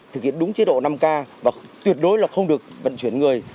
thực hiện đúng chế độ năm k và tuyệt đối là không được vận chuyển người